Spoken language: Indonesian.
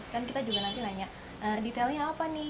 kan kita juga nanti nanya detailnya apa nih